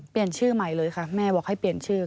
เปลี่ยนชื่อใหม่เลยค่ะแม่บอกให้เปลี่ยนชื่อ